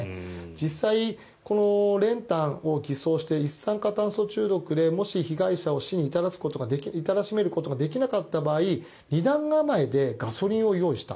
実際、練炭を偽装して一酸化炭素中毒でもし被害者を死に至らしめることができなかった場合２段構えでガソリンを用意した。